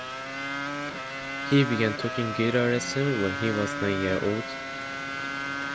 He began taking guitar lessons when he was nine years old.